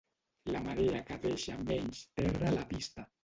La marea que deixa menys terra a la vista.